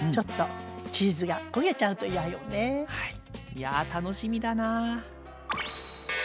いや楽しみだな。